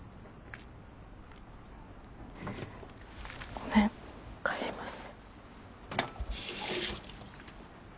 ごめん帰ります。